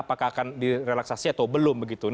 apakah akan direlaksasi atau belum begitu